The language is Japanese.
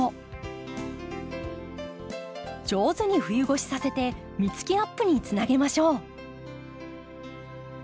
上手に冬越しさせて実つきアップにつなげましょう。